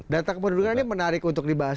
data kependudukan ini menarik untuk dibahas